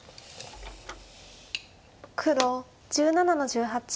黒１７の十八取り。